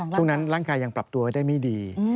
ช่วงนั้นร่างกายยังปรับตัวไว้ได้ไม่ดี